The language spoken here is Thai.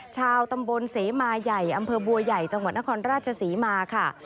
ชาวตำบลเสมาใหญ่อำเภอบัวใหญ่จังหวัดนครราชศรีมาค่ะ